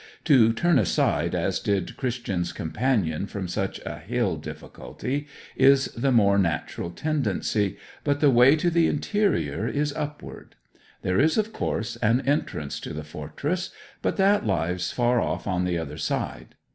To turn aside, as did Christian's companion, from such a Hill Difficulty, is the more natural tendency; but the way to the interior is upward. There is, of course, an entrance to the fortress; but that lies far off on the other side.